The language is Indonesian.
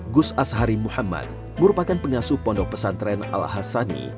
gus ashari muhammad merupakan pengasuh pondok pesantren al hasani